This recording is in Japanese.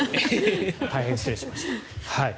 大変失礼しました。